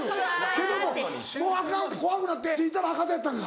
けどももうアカンって怖くなって着いたら博多やったんか。